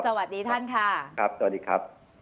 สวัสดีค่ะ